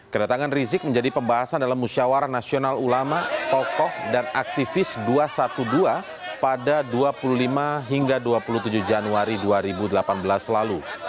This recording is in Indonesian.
kedatangan rizik menjadi pembahasan dalam musyawara nasional ulama tokoh dan aktivis dua ratus dua belas pada dua puluh lima hingga dua puluh tujuh januari dua ribu delapan belas lalu